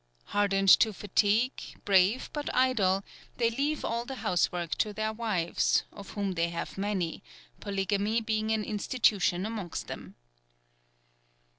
Hardened to fatigue, brave but idle, they leave all the housework to their wives, of whom they have many, polygamy being an institution amongst them.